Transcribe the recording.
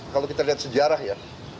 kalau kita lihat sejarah ya